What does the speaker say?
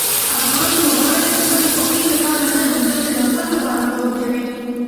افغان لوبغاړي د خپلې خوښۍ لپاره نه، بلکې د وطن لپاره لوبه کوي.